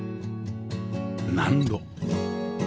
納戸